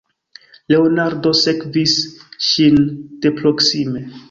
Leonardo sekvis ŝin de proksime.